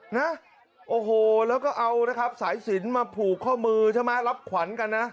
นะโอ้โหแล้วก็เอานะครับสายสินมาผูกข้อมือใช่ไหมรับขวัญกันนะ